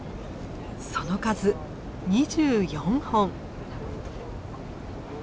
その数２４本。